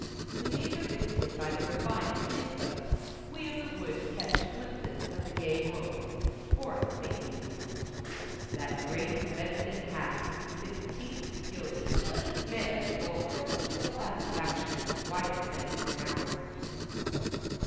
When these are visited by their refined kinsfolk, we of the woods catch glimpses of the gay world, or think we do. That great medicine hath With its tinct gilded— many a vulgarism to the satisfaction of wiser heads than ours.